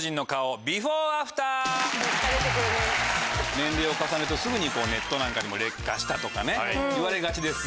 年齢を重ねるとすぐにネットなんかでも劣化したとか言われがちです。